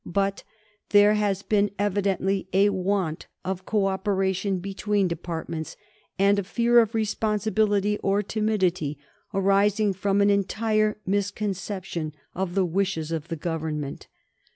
But there has been evidently a want of co operation between departments, and a fear of responsibility or timidity, arising from an entire misconception of the wishes of the Government.